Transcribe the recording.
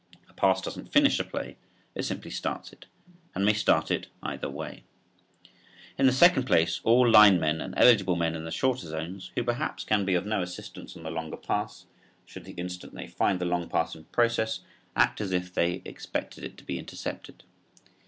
A pass doesn't finish a play, it simply starts it and it may start it either way. In the second place all line men and eligible men in the shorter zones, who perhaps can be of no assistance on the longer pass, should the instant they find the long pass in process act as if they expected it to be intercepted.